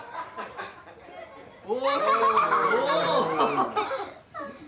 ・お！